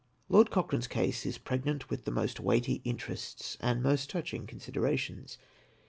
Lord Cochrane's case is pregnant with the most weighty interests and most touching considerations.